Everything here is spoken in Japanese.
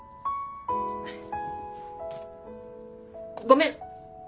ごめん。